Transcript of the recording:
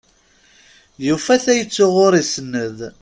Yufa tayet uɣur isenned.